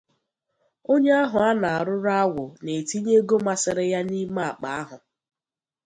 Onye ahụ a na-arụrụ agwụ na-etinye ego masịrị ya n'ime akpa ahụ